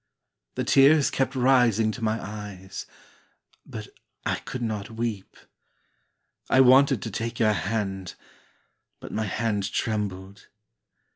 The tears kept rising to my eyes But I could not weep. I wanted to take your hand But my hand trembled.